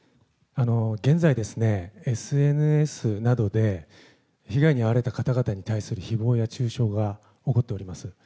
現在ですね、ＳＮＳなどで被害に遭われた方々に対するひぼうや中傷が起こっております。